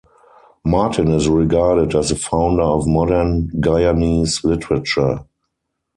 Martin is regarded as the founder of modern Guyanese literature.